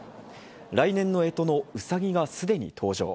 来年のえとのうさぎがすでに登場。